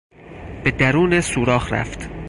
به درون سوراخ رفت.